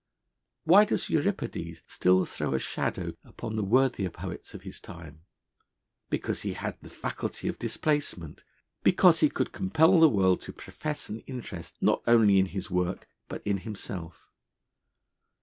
Why does Euripides still throw a shadow upon the worthier poets of his time? Because he had the faculty of displacement, because he could compel the world to profess an interest not only in his work but in himself.